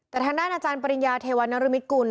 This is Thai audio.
ดังนั้นอาจารย์ปริญญาเทวานรมิกุล